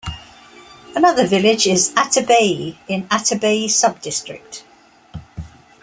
Another village is Atabae in Atabae Subdistrict.